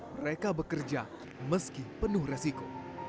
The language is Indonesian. mereka bekerja meski penuh resiko